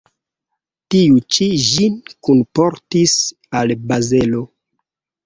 Tiu ĉi ĝin kunportis al Bazelo.